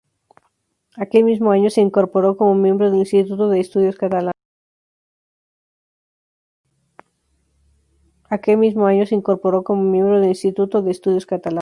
Aquel mismo año se incorporó como miembro del Instituto de Estudios Catalanes.